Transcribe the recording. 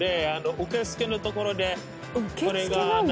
受付のところでこれが。